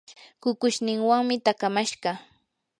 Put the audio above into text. kukushninwanmi taakamashqa.